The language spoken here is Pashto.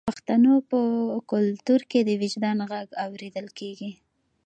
د پښتنو په کلتور کې د وجدان غږ اوریدل کیږي.